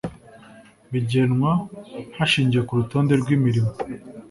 bigenwa hashingiwe ku rutonde rw’imirimo